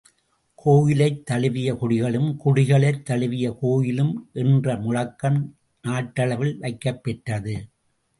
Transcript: ● கோயிலைத் தழுவிய குடிகளும் குடிகளைத் தழுவிய கோயிலும் என்ற முழக்கம் நாட்டளவில் வைக்கப்பெற்றது.